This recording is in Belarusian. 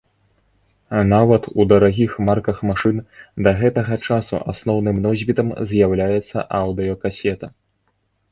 Нават у дарагіх марках машын да гэтага часу асноўным носьбітам з'яўляецца аўдыёкасета.